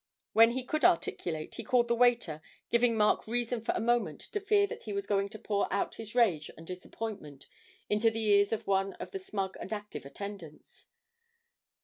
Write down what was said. When he could articulate, he called the waiter, giving Mark reason for a moment to fear that he was going to pour out his rage and disappointment into the ears of one of the smug and active attendants.